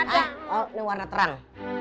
oh ini warna terang